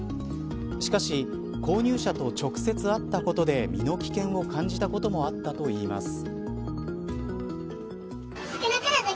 しかし購入者と直接会ったことで身の危険を感じたこともあったといいます。